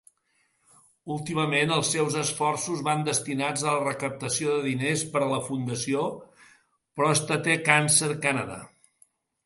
Últimament, els seus esforços van destinats a la recaptació de diners per a la fundació Prostate Cancer Canada.